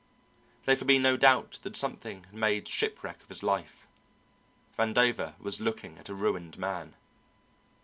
There could be no doubt that something had made shipwreck of his life. Vandover was looking at a ruined man.